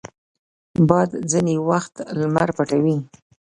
باد ځینې وخت لمر پټوي